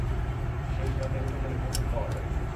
শেষ রাতে উঠে গেলে প্রচুর পাওয়া যাবে।